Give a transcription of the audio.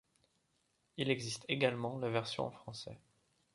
Il existe également la version en français.